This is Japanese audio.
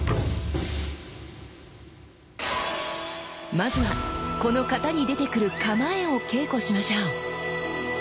まずはこの型に出てくる構えを稽古しましょう。